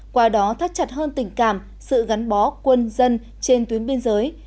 qua đó thắt chặt hơn tình cảm sự gắn bó quân dân trên tuyến biên giới